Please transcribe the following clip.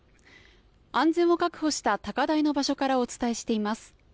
安全を確保した高台の場所からお伝えしています。